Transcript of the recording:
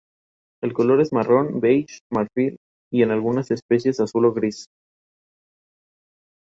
Cinco puertas conducen desde el vestíbulo que precede a la gran sala.